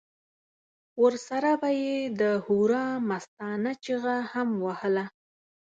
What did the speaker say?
ورسره به یې د هورا مستانه چیغه هم وهله.